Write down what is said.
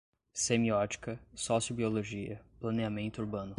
semiótica, sociobiologia, planeamento urbano